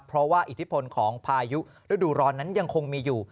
เพราะว่าอิทธิพลของพายุฤดูร้อนนั้นยังคงมีอยู่